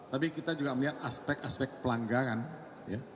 tapi kita juga melihat aspek aspek pelanggaran ya